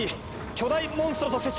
巨大モンストロと接触。